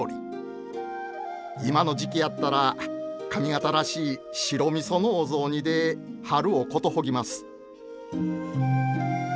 今の時期やったら上方らしい白みそのお雑煮で春をことほぎます。